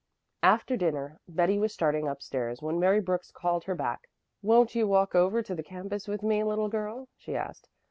After dinner Betty was starting up stairs when Mary Brooks called her back. "Won't you walk over to the campus with me, little girl?" she asked.